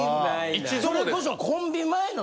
それこそ。